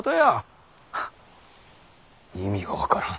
意味が分からん。